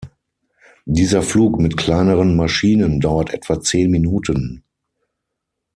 Dieser Flug mit kleineren Maschinen dauert etwa zehn Minuten.